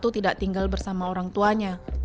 korban satu tidak tinggal bersama orang tuanya